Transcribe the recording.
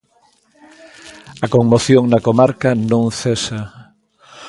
A conmoción na comarca non cesa.